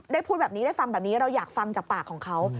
พูดแบบนี้ได้ฟังแบบนี้เราอยากฟังจากปากของเขา